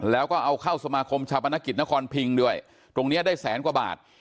แล้วก็เอาเข้าสมาคมชาปนกิจนครพิงด้วยตรงนี้ได้แสนกว่าบาท